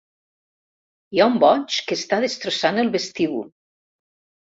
Hi ha un boig que està destrossant el vestíbul.